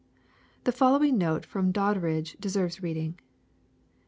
] The following note from Doddridge de serves reading.